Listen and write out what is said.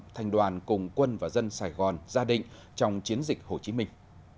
thành đoàn cùng quân và dân sài gòn ra định trong chiến dịch hồ chí minh